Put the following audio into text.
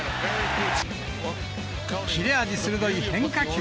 切れ味鋭い変化球。